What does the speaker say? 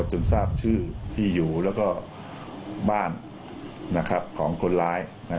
จนทราบชื่อที่อยู่แล้วก็บ้านของคนร้าย